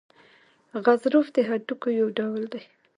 غضروف د هډوکو یو ډول دی.